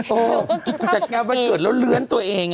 โตจัดงานวันเกิดแล้วเลื้อนตัวเอง